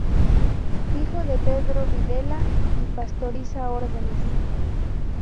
Hijo de Pedro Videla y Pastoriza Órdenes.